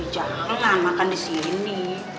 bicara makan di sini